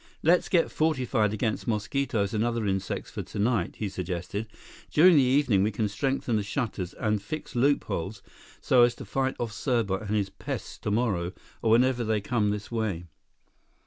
"Let's get fortified against mosquitoes and other insects for tonight," he suggested. "During the evening, we can strengthen the shutters and fix loopholes so as to fight off Serbot and his pests tomorrow or whenever they come this way."